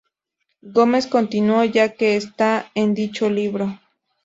Gómez continuó, ya que está en dicho libro.